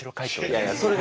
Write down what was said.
いやいやそれが一番。